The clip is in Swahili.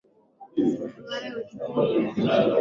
Aimarishe uchumi wa nchi ili aweze kuangalia suala la Katiba Mpya